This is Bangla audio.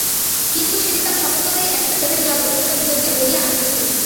কিন্তু সেদিন তার সকল কথাই একটা চোখের জলের গভীরতার ভিতর দিয়া বহিয়া আসিতেছিল।